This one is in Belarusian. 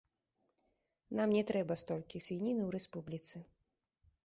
Нам не трэба столькі свініны ў рэспубліцы.